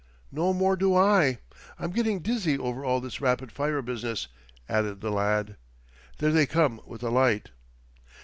"No more do I. I'm getting dizzy over all this rapid fire business," added the lad. "There they come with a light."